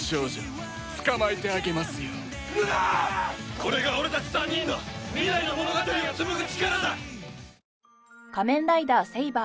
これが俺たち３人の未来の物語を紡ぐ力だ！